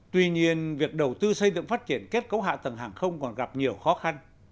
tuy nhiên việc đầu tư xây dựng phát triển kết cấu hạ tầng hàng không còn gặp nhiều khó khăn